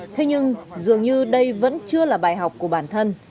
thế nhưng dường như đây vẫn chưa là bài học của bản thân